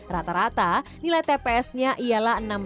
rata rata nilai tps nya ialah enam ratus satu enam ratus delapan puluh tiga